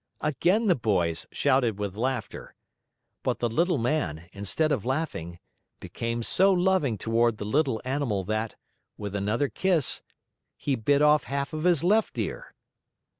Again the boys shouted with laughter. But the Little Man, instead of laughing, became so loving toward the little animal that, with another kiss, he bit off half of his left ear.